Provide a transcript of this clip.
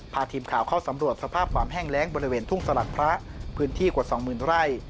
พาทีมข่าวเข้าสำรวจสภาพความแห้งแรงบริเวณทุ่งสลัดพระพื้นที่กว่าสองหมื่นไร่